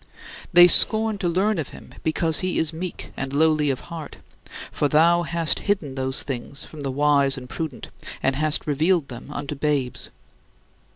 They scorn to learn of him because he is "meek and lowly of heart"; for "thou hast hidden those things from the wise and prudent, and hast revealed them unto babes."